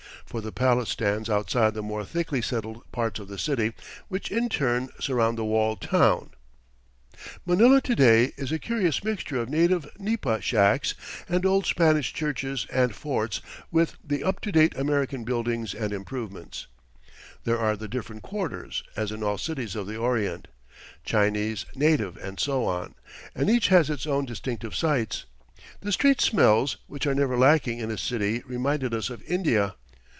For the palace stands outside the more thickly settled parts of the city, which in turn surround the walled town. [Illustration: The Pasig River] Manila to day is a curious mixture of native nipa shacks and old Spanish churches and forts with the up to date American buildings and improvements. There are the different quarters, as in all cities of the Orient Chinese, native and so on and each has its own distinctive sights. The street smells, which are never lacking in a city, reminded us of India.